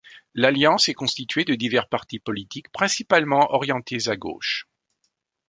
L'alliance est constituée de divers partis politiques principalement orientés à gauche.